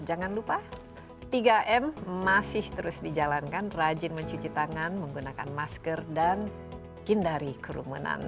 jangan lupa tiga m masih terus dijalankan rajin mencuci tangan menggunakan masker dan hindari kerumunan